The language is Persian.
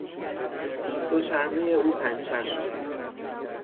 دوچرمهٔ او پنچر شد.